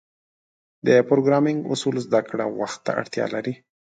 د پروګرامینګ اصول زدهکړه وخت ته اړتیا لري.